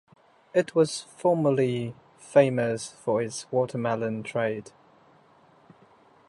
It was formerly famous for its watermelon trade.